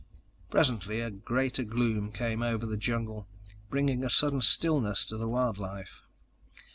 Presently, a greater gloom came over the jungle, bringing a sudden stillness to the wild life.